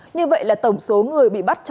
như vậy là tổng số người bị bắt